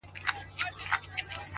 تا په پنځه لوېشتو وړيو کي سيتار وتړی”